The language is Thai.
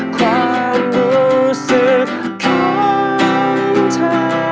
ความรู้สึกของเธอ